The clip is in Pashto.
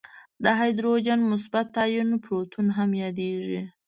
د هایدروجن مثبت آیون پروتون هم یادیږي.